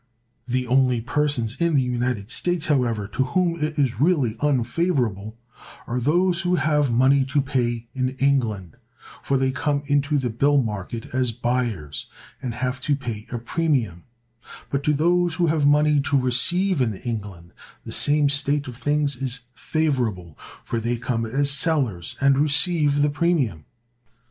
The only persons in the United States, however, to whom it is really unfavorable are those who have money to pay in England, for they come into the bill market as buyers, and have to pay a premium; but to those who have money to receive in England the same state of things is favorable; for they come as sellers and receive the premium.